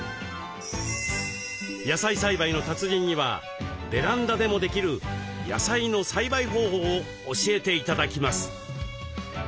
野菜栽培の達人にはベランダでもできる野菜の栽培方法を教えて頂きます。